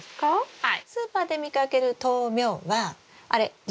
はい。